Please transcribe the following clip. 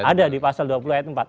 ada di pasal dua puluh ayat empat